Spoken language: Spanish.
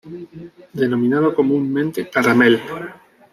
Denominado comúnmente "caramel".